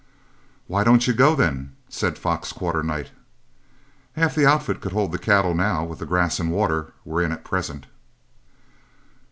"Why don't you go, then?" said Fox Quarternight. "Half the outfit could hold the cattle now with the grass and water we're in at present."